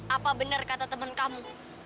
apa benar kata teman kamu